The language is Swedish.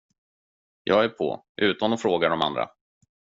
Jag är på, utan att fråga de andra!